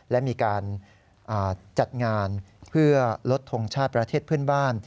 และมีการจัดงานเพื่อลดทงชาติประเทศเพื่อนบ้าน